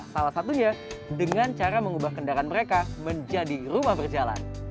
salah satunya dengan cara mengubah kendaraan mereka menjadi rumah berjalan